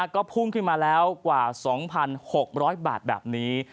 ก็พุ่งขึ้นมาแล้วกว่า๒๖๐๐บาทแบบนี้